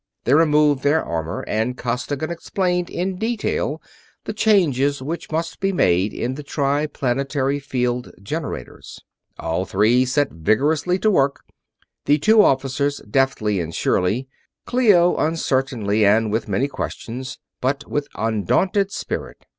They removed their armor, and Costigan explained in detail the changes which must be made in the Triplanetary field generators. All three set vigorously to work the two officers deftly and surely; Clio uncertainly and with many questions, but with undaunted spirit.